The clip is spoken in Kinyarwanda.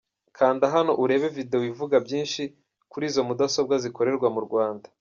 Kanda hano urebe video ivuga byinshi kuri izo mudasobwa zikorerwa mu Rwanda.